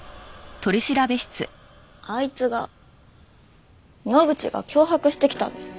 あいつが野口が脅迫してきたんです。